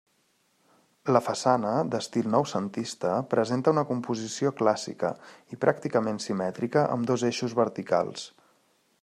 La façana, d'estil noucentista, presenta una composició clàssica i pràcticament simètrica amb dos eixos verticals.